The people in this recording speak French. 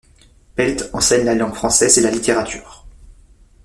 Pelt enseigne la langue française et la littérature.